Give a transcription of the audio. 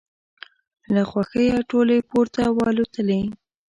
له خوښیه ټولې پورته والوتلې.